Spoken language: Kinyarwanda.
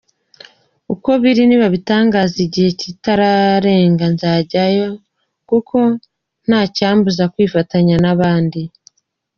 Uko biri nibabitangaza igihe kitararenga nzajyayo kuko ntacyambuza kwifatanya n’abandi.